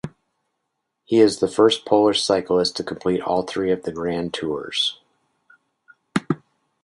He is the first Polish cyclist to complete all three of the Grand Tours.